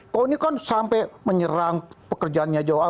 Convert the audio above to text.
kau ini kan sampai menyerang pekerjaannya